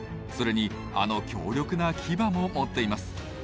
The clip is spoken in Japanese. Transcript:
それにあの強力な牙も持っています。